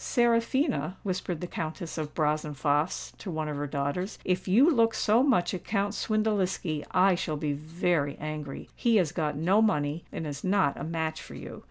"Seraphina," whispered the Countess of Brazenphace to one of her daughters, "if you look so much at Count Swindeliski, I shall be very angry. He has got no money, and is not a match for you.